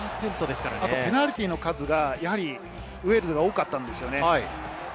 ペナルティーの数がウェールズが多かったんですよね。